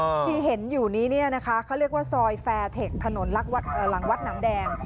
คุณผู้ชมคะทีเห็นอยู่นี้นะคะเขาเรียกว่าซอยแฟร์เทคถนนหลังวัดน้ำแดง